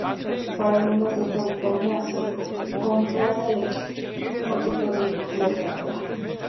Para algunos, esta dicotomía es contraria al concepto de cultura extranjera.